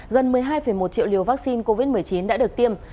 gần một mươi hai một triệu liều vaccine covid một mươi chín đã được tiêm